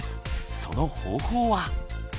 その方法は？